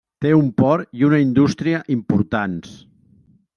Té un port i una indústria importants.